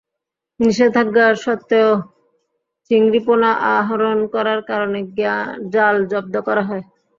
নিষেধাজ্ঞা সত্ত্বেও চিংড়ি পোনা আহরণ করার কারণে জাল জব্দ করা হয়।